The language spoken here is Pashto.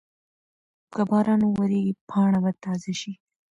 که باران وورېږي پاڼه به تازه شي.